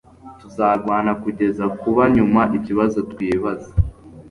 Tuzarwana kugeza ku ba nyuma ikibazo twibaza